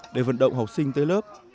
để vận động học sinh tới lớp